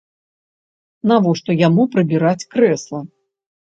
Навошта яму прыбіраць крэсла?